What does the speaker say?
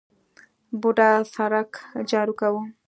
بوډا سرک جارو کاوه.